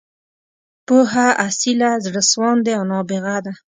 پوهه، اصیله، زړه سواندې او نابغه ده.